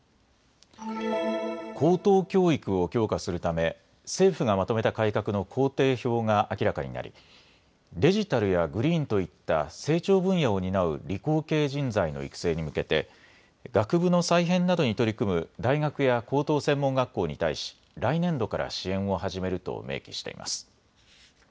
高等教育を強化するため政府がまとめた改革の工程表が明らかになりデジタルやグリーンといった成長分野を担う理工系人材の育成に向けて学部の再編などに取り組む大学や高等専門学校に対し来年度から支援を始めると明記しています。